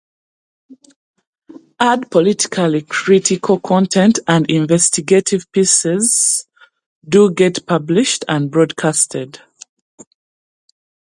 And politically critical content and investigative pieces do get published or broadcast.